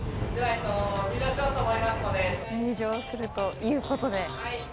入場するということで。